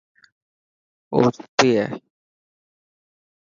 اوستي هي.